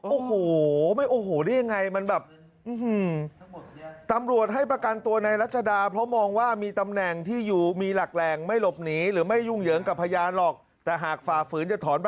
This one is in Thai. โอโหไม่โอโหได้ยังไงมันแบบ